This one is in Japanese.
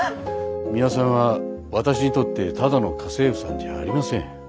ミワさんは私にとってただの家政婦さんじゃありません。